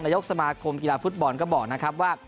ยกสมาคมกีฬาฟุตบอลก็บอกนะครับว่า